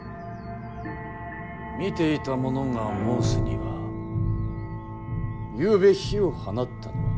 見ていた者が申すにはゆうべ火を放ったのは。